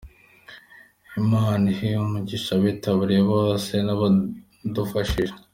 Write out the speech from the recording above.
Imana ihe umugisha abitabiriye bose n'abadufashije.